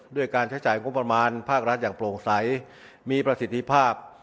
ด้วยการใช้จ่ายงบประมาณภาครัฐอย่างโปร่งใสมีประสิทธิภาพ